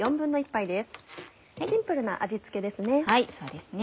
シンプルな味付けですね。